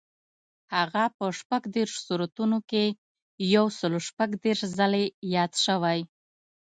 هغه په شپږ دېرش سورتونو کې یو سل شپږ دېرش ځلي یاد شوی.